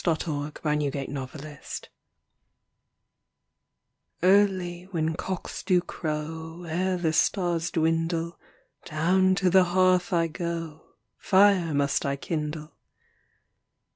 THE FORSAKEN MAIDEN* (1829) Early when cocks do crow Ere the stars dwindle, Down to the hearth I go, Fire must I kindle.